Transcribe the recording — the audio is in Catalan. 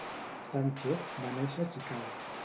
Sánchez va néixer a Chicago.